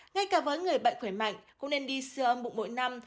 ngay cả với người bệnh khỏe mạnh cũng nên đi siêu âm bụng mỗi năm